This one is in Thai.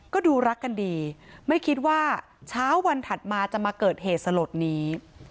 ก็ดูรักกันดีไม่คิดว่าเช้าวันถัดมาจะมาเกิดเหตุสลดนี้